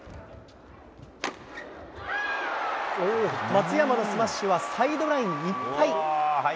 松山のスマッシュはサイドラインいっぱい。